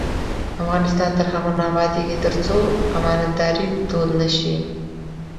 افغانستان تر هغو نه ابادیږي، ترڅو امانتداري دود نشي.